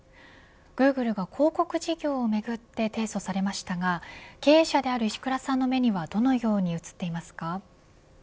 グーグルが広告事業をめぐって提訴されましたが経営者である石倉さんの目にはどのように映っていますか。